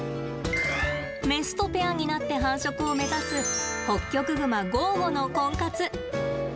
メスとペアになって繁殖を目指すホッキョクグマゴーゴのコンカツ。